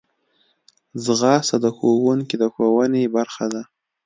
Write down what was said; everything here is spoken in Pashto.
ځغاسته د ښوونکي د ښوونې برخه ده